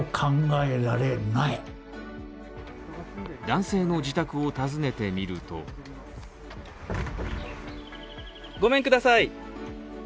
男性の自宅を訪ねてみるとごめんください。